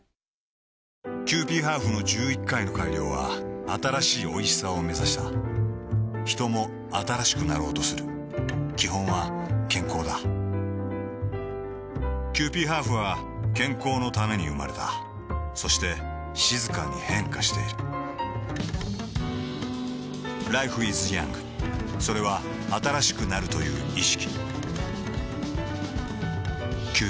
キユーピーハーフの１１回の改良は新しいおいしさをめざしたヒトも新しくなろうとする基本は健康だキユーピーハーフは健康のために生まれたそして静かに変化しているＬｉｆｅｉｓｙｏｕｎｇ．それは新しくなるという意識